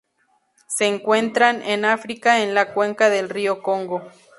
Se encuentran en África en la cuenca del río Congo.